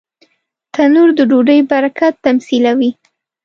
تنور د ډوډۍ برکت تمثیلوي